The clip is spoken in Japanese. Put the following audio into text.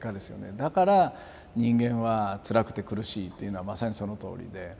だから人間はつらくて苦しいっていうのはまさにそのとおりで。